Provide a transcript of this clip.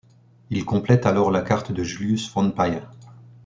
Il complète alors la carte de Julius von Payer.